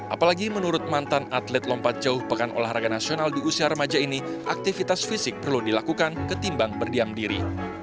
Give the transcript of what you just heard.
apalagi menurut mantan atlet lompat jauh pekan olahraga nasional di usia remaja ini aktivitas fisik perlu dilakukan ketimbang berdiam diri